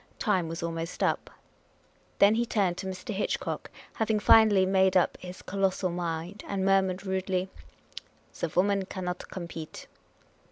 Time was almost up. Then he turned to Mr. Hitchcock, having finally made up his colossal mind, and murmured rudely, " The woman cannot compete."